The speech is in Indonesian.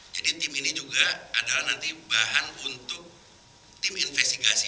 jadi tim ini juga adalah nanti bahan untuk tim investigasi